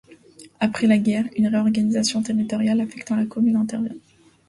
Après la guerre, une réorganisation territoriale affectant la commune intervient.